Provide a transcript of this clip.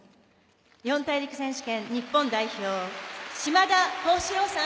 四大陸選手権日本代表島田高志郎さん。